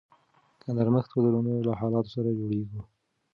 که نرمښت ولرو نو له حالاتو سره جوړیږو.